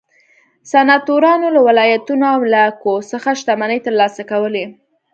سناتورانو له ولایتونو او املاکو څخه شتمنۍ ترلاسه کولې.